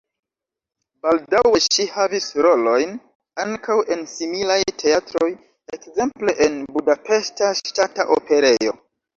Baldaŭe ŝi havis rolojn ankaŭ en similaj teatroj, ekzemple en Budapeŝta Ŝtata Operejo.